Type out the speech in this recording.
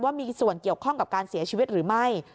ว่ามีส่วนเกี่ยวข้องกับการเสียชีวิตหรือไม่